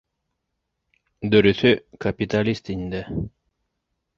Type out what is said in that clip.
Дөрөҫө - капиталист инде.